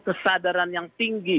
kesadaran yang tinggi